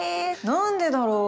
何でだろう？